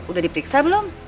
udah diperiksa belum